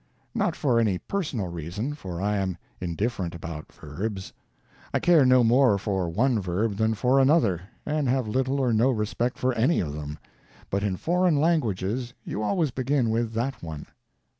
_ Not for any personal reason, for I am indifferent about verbs; I care no more for one verb than for another, and have little or no respect for any of them; but in foreign languages you always begin with that one.